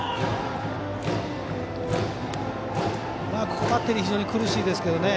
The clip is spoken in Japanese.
ここ、バッテリー非常に苦しいですけど。